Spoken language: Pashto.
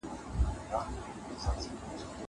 شهیدعبدالله خیال